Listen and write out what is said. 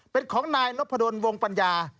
เป็นของนายนพดลวงปัญญา